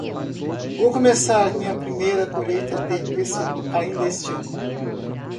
Vou começar minha primeira colheita de pêssego ainda este ano.